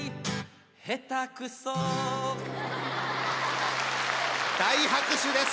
下手くそ大拍手です！